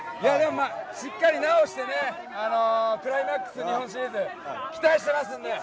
しっかり治してクライマックス日本シリーズ期待してますんで。